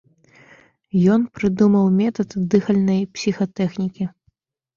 Ён прыдумаў метад дыхальнай псіхатэхнікі.